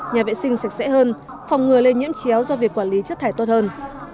nhà vệ sinh sạch sẽ hơn phòng ngừa lây nhiễm chéo do việc quản lý chất thải tốt hơn